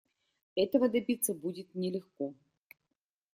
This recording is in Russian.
Этого добиться будет нелегко.